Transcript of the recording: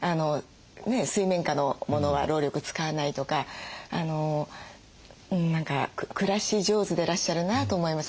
水面下のモノは労力使わないとか何か暮らし上手でいらっしゃるなと思いました。